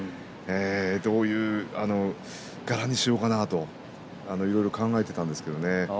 どういう柄にしようかなといろいろ考えていたんですけれどもね。